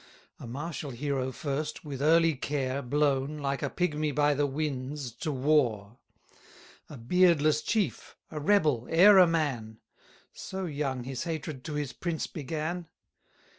A martial hero first, with early care, Blown, like a pigmy by the winds, to war. A beardless chief, a rebel, e'er a man: So young his hatred to his prince began.